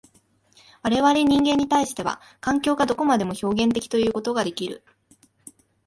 我々人間に対しては、環境がどこまでも表現的ということができる。